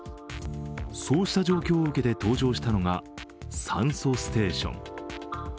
そうした状況を受けて登場したのが酸素ステーション。